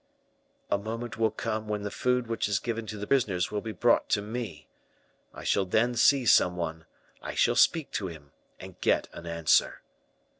"A moment will come when the food which is given to the prisoners will be brought to me. I shall then see some one, I shall speak to him, and get an answer."